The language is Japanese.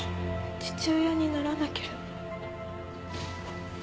父親にならなければ。